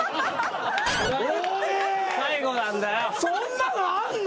そんなのあんの？